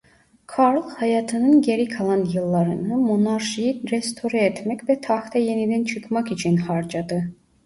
Karl hayatının geri kalan yıllarını monarşiyi restore etmek ve tahta yeniden çıkmak için harcadı.